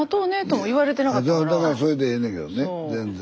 それでええねんけどね全然。